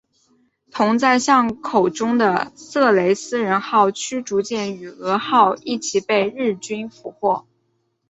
同在港口中的色雷斯人号驱逐舰与蛾号一起被日军俘获。